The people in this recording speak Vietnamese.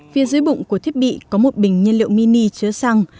phía dưới bụng của thiết bị có một bình nhiên liệu mini chứa xăng